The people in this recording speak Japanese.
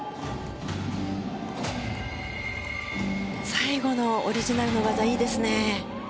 最後のオリジナルの技いいですね。